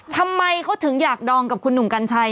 ทำไมเขาถึงอยากดองกับคุณหนุ่มกัญชัย